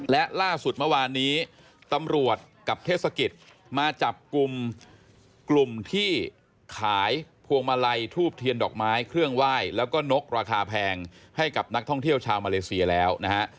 และล่าสุดเมื่อวานนี้ตำรวจกับเทศกิจมาจับกลุ่มกลุ่มที่ขายพวงมาลัยทูบเทียนดอกไม้เครื่องไหว้แล้วก็นกราคาแพงให้กับนักท่องเที่ยวชาวมาเลเซียแล้วนะฮะ